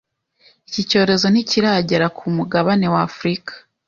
iki cyorezo ntikiragera ku mugabane wa Afurika.